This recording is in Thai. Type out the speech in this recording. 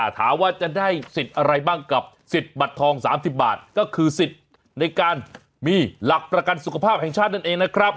ถามว่าจะได้สิทธิ์อะไรบ้างกับสิทธิ์บัตรทอง๓๐บาทก็คือสิทธิ์ในการมีหลักประกันสุขภาพแห่งชาตินั่นเองนะครับ